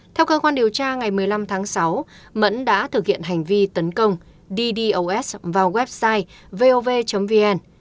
theo cơ quan điều tra ngày một mươi năm tháng sáu mẫn đã thực hiện hành vi tấn công ddos vào website vov vn